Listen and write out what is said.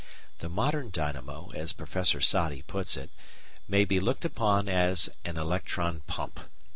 The modern dynamo, as Professor Soddy puts it, may be looked upon as an electron pump.